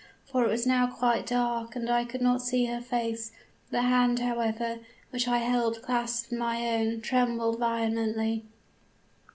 For it was now quite dark and I could not see her face; the hand, however, which I held clasped in my own, trembled violently.